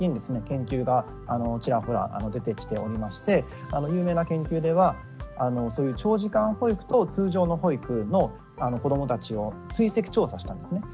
研究がチラホラ出てきておりまして有名な研究ではそういう長時間保育と通常の保育の子どもたちを追跡調査したんですね。